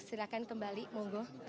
silahkan kembali mohon gue